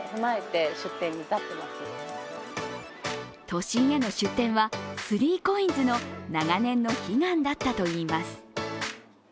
都心への出店は、３ＣＯＩＮＳの長年の悲願だったといいます。